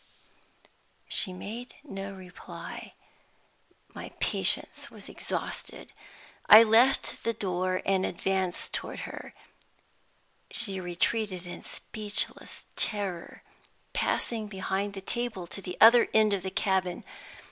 She made no reply. My patience was exhausted. I left the door and advanced toward her. She retreated in speechless terror, passing behind the table to the other end of the cabin.